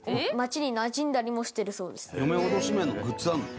「嫁おどし面のグッズあるの？」